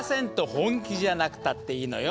本気じゃなくたっていいのよ。